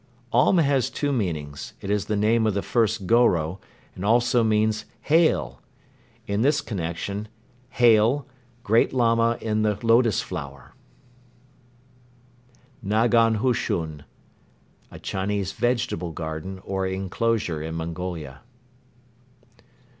"Om" has two meanings. It is the name of the first Goro and also means: "Hail!" In this connection: "Hail! Great Lama in the Lotus Flower!" Mende. Soyot greeting "Good Day." Nagan hushun. A Chinese vegetable garden or enclosure in Mongolia.